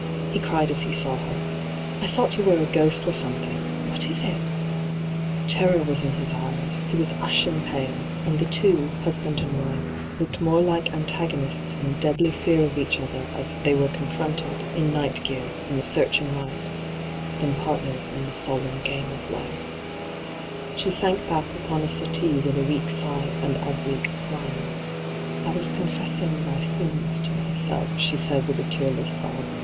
he cried as he saw her. ' I thought you were a ghost or something — what is it V Terror waa in his eyes, he was ashen pale, and the two, husband and wife, looked more like antagonists in deadly fear of each other as they were confronted, in night gear, in the searching light, than partnera in the solemn game of life. hyGoogIc 174 ENTRAPPED She Bank back apon a settee with a weak sigh and as weak a smile, 'I was confessing — my sins — ^to myself,' she said witii a tearless sob.